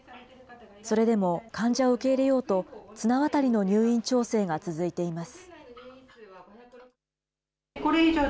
それでも患者を受け入れようと、綱渡りの入院調整が続いています。